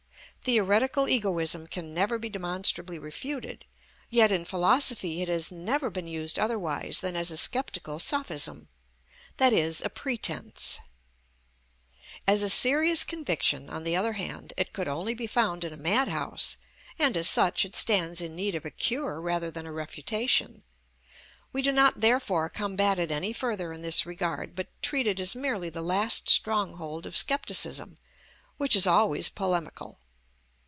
Theoretical egoism can never be demonstrably refuted, yet in philosophy it has never been used otherwise than as a sceptical sophism, i.e., a pretence. As a serious conviction, on the other hand, it could only be found in a madhouse, and as such it stands in need of a cure rather than a refutation. We do not therefore combat it any further in this regard, but treat it as merely the last stronghold of scepticism, which is always polemical.